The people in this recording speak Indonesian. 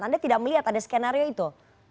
anda tidak melihat ada skenario itu